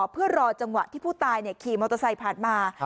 เพื่อรอจังหวะที่ผู้ตายขี่มอเตอร์ไซค์ผ่านมา